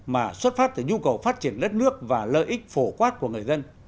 mà xuất phát từ nhu cầu phát triển đất nước và lợi ích phổ quát của người dân